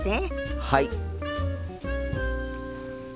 はい！